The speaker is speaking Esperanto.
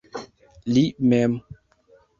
Li mem.